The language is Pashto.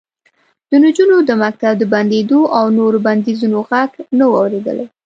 د نجونو د مکتب د بندېدو او نورو بندیزونو غږ نه و اورېدلی